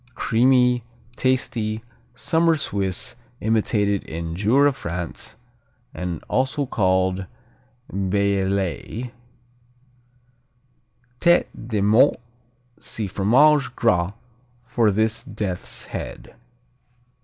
Creamy, tasty, summer Swiss, imitated in Jura, France, and also called Bellelay. Tête de Mort see Fromage Gras for this death's head.